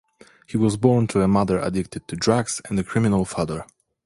He was born to a mother addicted to drugs and a criminal father.